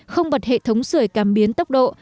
không bật hệ thống sửa cảm biến tốc độ